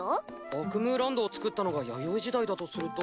アクムーランドをつくったのが弥生時代だとすると。